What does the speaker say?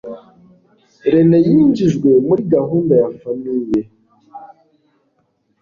rene yinjijwe muri gahunda ya famiye